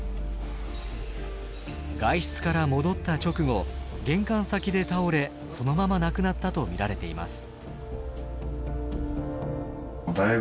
外出から戻った直後玄関先で倒れそのまま亡くなったと見られています。